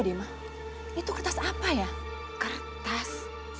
teman itu telah bayar kertas